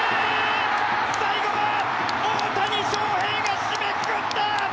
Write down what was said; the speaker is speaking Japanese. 最後は大谷翔平が締めくくった！